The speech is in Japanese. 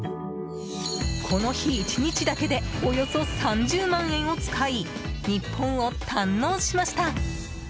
この日１日だけでおよそ３０万円を使い日本を堪能しました。